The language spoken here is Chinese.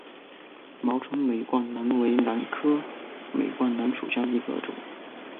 毛唇美冠兰为兰科美冠兰属下的一个种。